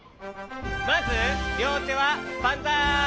まずりょうてはバンザイ。